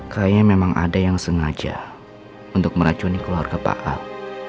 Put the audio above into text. kayaknya memang ada yang sengaja untuk meracuni keluarga pakat